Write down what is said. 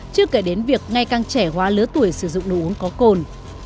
chứ kể đến việc ngày càng trẻ hóa lứa tuổi sử dụng nụ uống có cồn